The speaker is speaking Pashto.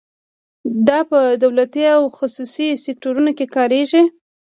دا په دولتي او خصوصي سکتورونو کې کاریږي.